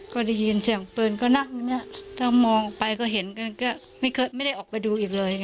กลัวอืมแล้วมองเห็นเขาอย่างไรเขาเรามองเห็นเหตุการณ์ของคนยิง